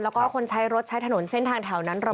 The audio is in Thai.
แล้วก็คนใช้รถใช้ถนนเส้นทางแถวนั้น